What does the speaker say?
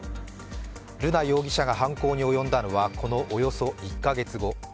瑠奈容疑者が犯行に及んだのはこのおよそ１か月後。